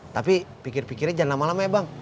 tapi pikir pikirnya jangan lama lama ya bang